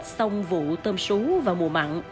thu hoạch xong vụ tôm xú vào mùa mặn